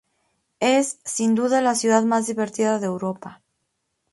Es, sin duda, la ciudad más diversa de Europa.